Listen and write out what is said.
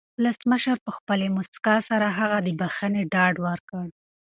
ولسمشر په خپلې مسکا سره هغه ته د بښنې ډاډ ورکړ.